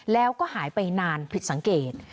แล้วก็หายไปนานผิดสังเกต